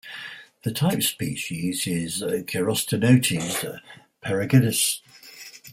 The type species is "Chirostenotes pergracilis".